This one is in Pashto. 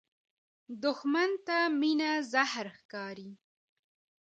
دښمن ته مینه زهر ښکاري